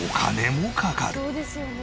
そうですよね。